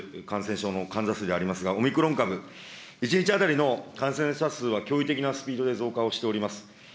感染症の患者数でありますが、オミクロン株、１日当たりの感染者数は驚異的なスピードで増加をしております。